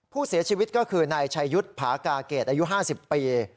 ผู้เสียชีวิตก็คือนายชัยยุทธ์ผากาเกตอายุ๕๐ปี